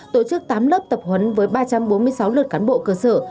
tổ chức tám lớp tập huấn với ba trăm bốn mươi sáu lượt cán bộ cơ sở